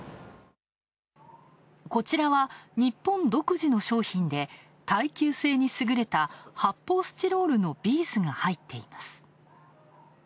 こちらは日本独自の商品で、耐久性に優れた発泡スチロールのビーズが入っています。